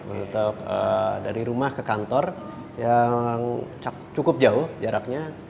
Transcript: untuk dari rumah ke kantor yang cukup jauh jaraknya